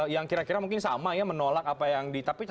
yang kira kira mungkin sama ya menolak apa yang dicapai